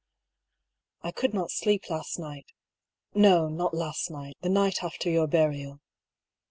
I could not sleep last night — no, not last night, the night after your burial.